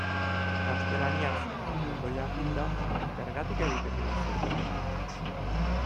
Gaztelaniaz hain ondo jakinda, zergatik egiten diguzu euskaraz?